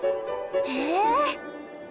へえ！